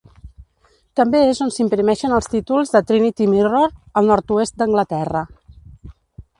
També és on s'imprimeixen els títols de Trinity Mirror al nord-oest d'Anglaterra.